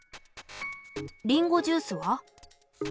りんごジュースは？